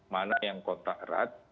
mana yang kontak erat